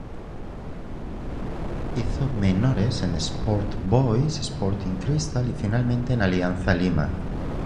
Hizo menores en Sport Boys, Sporting Cristal y finalmente en Alianza Lima.